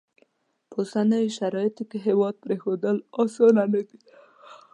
په اوسنیو شرایطو کې هیواد پرېښوول اسانه نه دي.